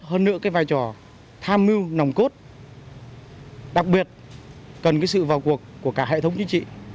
hơn nữa cái vai trò tham mưu nồng cốt đặc biệt cần cái sự vào cuộc của cả hệ thống chính trị